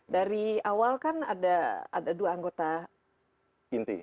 dari awal kan ada dua anggota inti